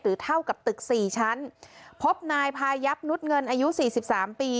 หรือเท่ากับตึก๔ชั้นพบนายภายับนุษย์เงินอายุ๔๓ปี